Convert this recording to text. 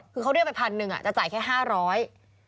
คือเขาเรียกไป๑๐๐๐บาทจะจ่ายแค่๕๐๐บาท